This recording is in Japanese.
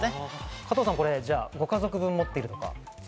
加藤さん、ご家族分持ってる？